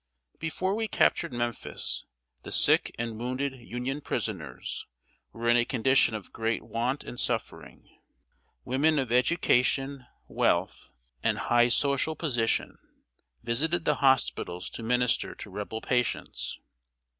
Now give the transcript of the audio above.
] Before we captured Memphis, the sick and wounded Union prisoners were in a condition of great want and suffering. Women of education, wealth, and high social position visited the hospitals to minister to Rebel patients.